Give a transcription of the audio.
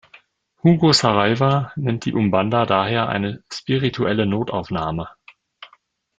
Hugo Saraiva nennt die Umbanda daher eine "spirituelle Notaufnahme".